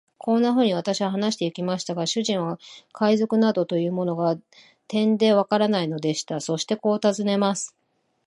こんなふうに私は話してゆきましたが、主人は海賊などというものが、てんでわからないのでした。そしてこう尋ねます。